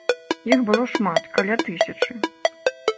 Іх было шмат, каля тысячы.